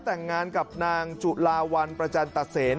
และแต่งงานกับนางจุลาวัลประจันทร์ตัดเสน